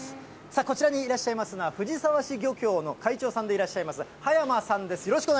こちらにいらっしゃいますのは、藤沢市漁協の会長さんでいらっしゃいます、葉山さんです。